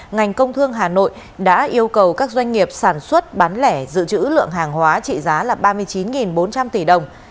ngành công thương hà nội đã yêu cầu các doanh nghiệp sản xuất bán lẻ dự trữ lượng hàng hóa trị giá là ba mươi chín bốn trăm linh tỷ đồng